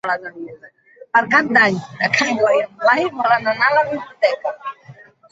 Per Cap d'Any na Carla i en Blai volen anar a la biblioteca.